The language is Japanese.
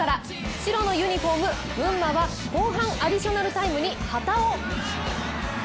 白のユニフォーム・群馬は後半アディショナルタイムに畑尾。